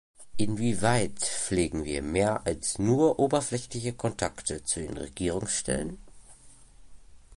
Inwieweit pflegen wir mehr als nur oberflächliche Kontakte zu den Regierungsstellen?